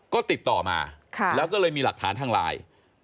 ก็ติดต่อมาแล้วก็เลยมีหลักฐานทางไลน์